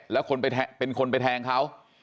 และเป็นคนไปแทงเขา